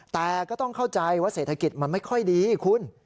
แต่ก็ต้องเข้าใจว่าเศรษฐกิจมันไม่ค่อยดีคุณ